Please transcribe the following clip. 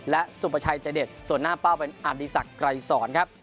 และสุปชัยใจเด็ดส่วนหน้าเป้าเป็นอาริสักไกรสอน